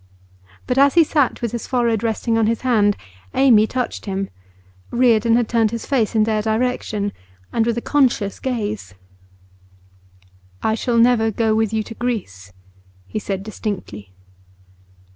But as he sat with his forehead resting on his hand Amy touched him; Reardon had turned his face in their direction, and with a conscious gaze. 'I shall never go with you to Greece,' he said distinctly.